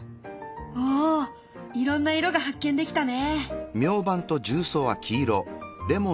おおいろんな色が発見できたね。